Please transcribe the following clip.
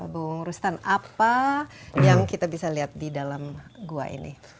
bung rustan apa yang kita bisa lihat di dalam gua ini